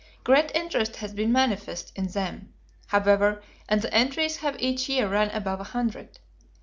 Great interest has been manifest in them, however, and the entries have each year run above a hundred.